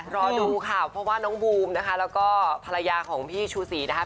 รอดูค่ะเพราะว่าน้องบูมนะคะแล้วก็ภรรยาของพี่ชูศรีนะคะ